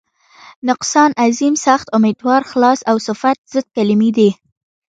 نقصان، عظیم، سخت، امیدوار، خلاص او صفت ضد کلمې دي.